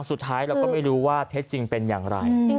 สุดท้ายเราก็ไม่รู้ว่าเท็จจริงเป็นอย่างไร